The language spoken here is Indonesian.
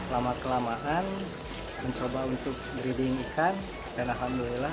lama kelamaan mencoba untuk breeding ikan dan alhamdulillah